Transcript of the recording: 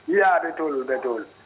iya betul betul